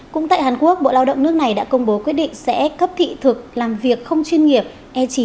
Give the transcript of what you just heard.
cũng tại hàn quốc bộ lao động nước này đã công bố quyết định sẽ cấp thị thực làm việc không chuyên nghiệp e chín